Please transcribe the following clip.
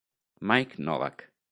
Mike Novak